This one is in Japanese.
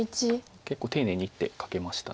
結構丁寧に一手かけました。